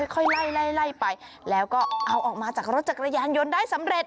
ค่อยไล่ไล่ไปแล้วก็เอาออกมาจากรถจักรยานยนต์ได้สำเร็จ